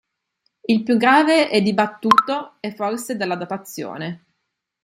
Il più grave e dibattuto è forse quello della datazione".